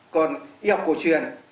còn y học cổ truyền